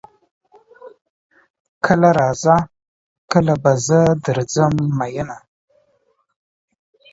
کله راځه کله به زه درځم میینه